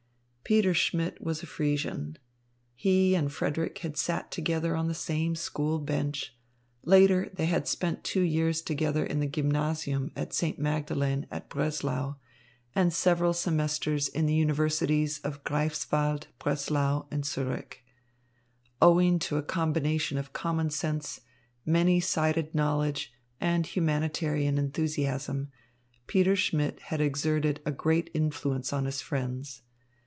Peter Schmidt was a Friesian. He and Frederick had sat together on the same school bench; later, they had spent two years together in the gymnasium at St. Magdalene at Breslau and several semesters in the universities of Greifswald, Breslau, and Zürich. Owing to a combination of common sense, many sided knowledge, and humanitarian enthusiasm, Peter Schmidt had exerted great influence on his friends.